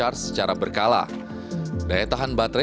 smartwatch ini dapat menggunakan koneksi yang lebih mudah